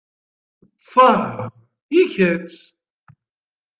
Ṭṣeɣ, i kečč?